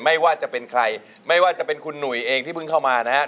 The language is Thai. ไม่ว่าจะเป็นใครไม่ว่าจะเป็นคุณหนุ่ยเองที่เพิ่งเข้ามานะฮะ